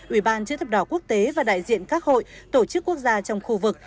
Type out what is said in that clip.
ủy ban chữ thập đỏ quốc tế và đại diện các hội tổ chức quốc gia trong khu vực